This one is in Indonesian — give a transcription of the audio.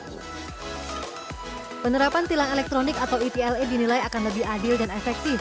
penerapan tilang elektronik atau etle dinilai akan lebih adil dan efektif